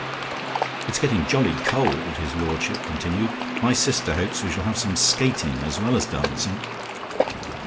"It's getting jolly cold," his lordship continued. "My sister hopes we shall have some skating as well as dancing."